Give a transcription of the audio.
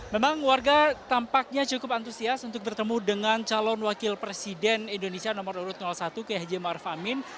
memang warga tampaknya cukup antusias untuk bertemu dengan calon wakil presiden indonesia nomor satu keahji ma'ruf amin